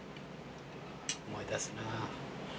思い出すなあ。